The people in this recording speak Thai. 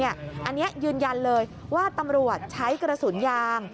อันนี้ยืนยันเลยว่าตำรวจใช้กระสุนยาง